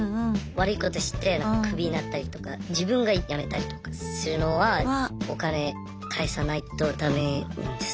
悪いことしてクビになったりとか自分がやめたりとかするのはお金返さないとダメなんです。